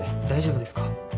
大丈夫ですか？